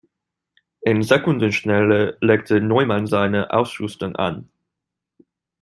In Sekundenschnelle legte Neumann seine Ausrüstung an.